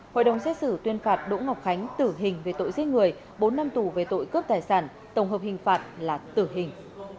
hội đồng xét xử tuyên phạt đỗ ngọc khánh tử hình về tội giết người bốn năm tù về tội cướp tài sản tổng hợp hình phạt là tử hình